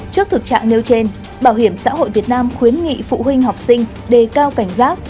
trước thực trạng nêu trên bảo hiểm xã hội việt nam khuyến nghị phụ huynh học sinh đề cao cảnh giác